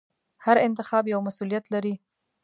هر انتخاب یو مسوولیت لري.